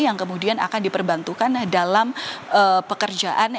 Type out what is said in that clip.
yang kemudian akan diperbantukan dalam pekerjaan